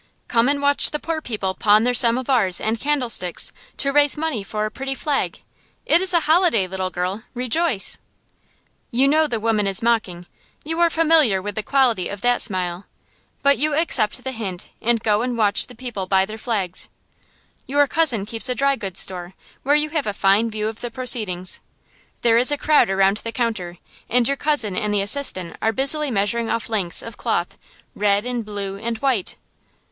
Come and watch the poor people pawn their samovars and candlesticks, to raise money for a pretty flag. It is a holiday, little girl. Rejoice!" You know the woman is mocking, you are familiar with the quality of that smile, but you accept the hint and go and watch the people buy their flags. Your cousin keeps a dry goods store, where you have a fine view of the proceedings. There is a crowd around the counter, and your cousin and the assistant are busily measuring off lengths of cloth, red, and blue, and white.